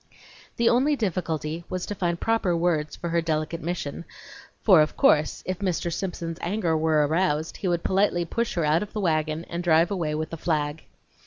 The only difficulty was to find proper words for her delicate mission, for, of course, if Mr. Simpson's anger were aroused, he would politely push her out of the wagon and drive away with the flag.